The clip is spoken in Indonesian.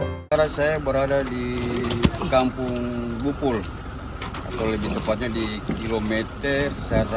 sekarang saya berada di kampung bukul atau lebih tepatnya di kilometer satu ratus enam puluh